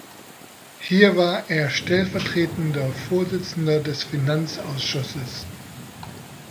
Hier war er stellvertretender Vorsitzender des Finanzausschusses.